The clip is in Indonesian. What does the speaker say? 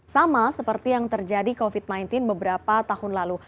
sama seperti yang terjadi covid sembilan belas beberapa tahun lalu